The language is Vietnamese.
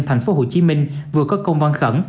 thành phố hồ chí minh vừa có công văn khẩn